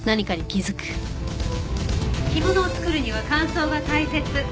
干物を作るには乾燥が大切。